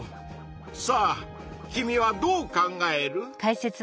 さあ君はどう考える？